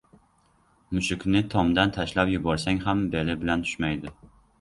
• Mushukni tomdan tashlab yuborsang ham beli bilan tushmaydi.